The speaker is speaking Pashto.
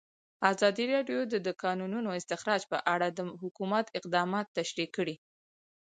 ازادي راډیو د د کانونو استخراج په اړه د حکومت اقدامات تشریح کړي.